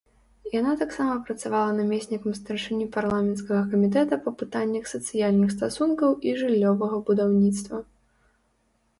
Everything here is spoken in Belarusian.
Яна таксама працавала намеснікам старшыні парламенцкага камітэта па пытаннях сацыяльных стасункаў і жыллёвага будаўніцтва.